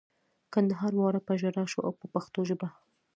کندهار واړه په ژړا شو په پښتو ژبه.